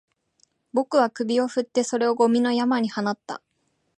僕は首を振って、それをゴミの山に放った